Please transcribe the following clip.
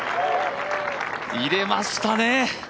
入れましたね。